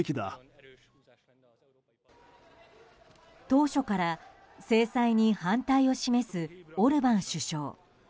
当初から制裁に反対を示すオルバン首相。